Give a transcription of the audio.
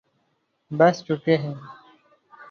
پس چکے ہیں